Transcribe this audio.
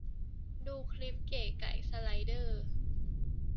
ดูคลิปเก๋ไก๋ สไลเดอร์